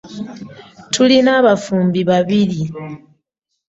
Tulina abafumbi babiri.